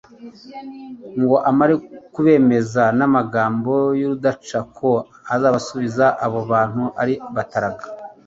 ngo amare kubemeza n'amagambo y'urudaca ko azabasubiza abo bantu ari bataraga